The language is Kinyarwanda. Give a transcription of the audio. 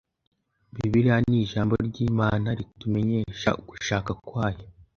Bibiliya ni ijambo ry‟Imana ritumenyesha ugushaka kwayo